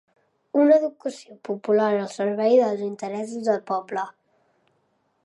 Una educació popular al servei dels interessos del poble.